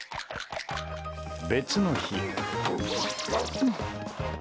別の日。